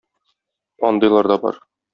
Андыйлар да бар.